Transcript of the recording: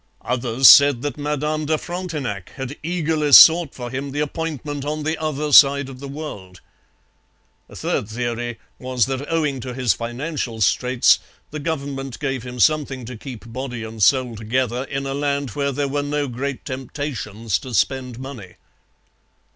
Others said that Madame de Frontenac had eagerly sought for him the appointment on the other side of the world. A third theory was that, owing to his financial straits, the government gave him something to keep body and soul together in a land where there were no great temptations to spend money.